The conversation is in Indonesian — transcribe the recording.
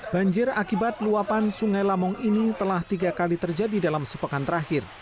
banjir akibat luapan sungai lamong ini telah tiga kali terjadi dalam sepekan terakhir